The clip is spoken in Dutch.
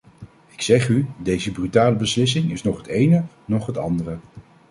Ik zeg u, deze brutale beslissing is nog het ene, nog het andere.